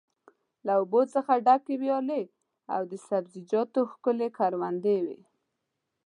له اوبو څخه ډکې ویالې او د سبزیجاتو ښکلې کروندې وې.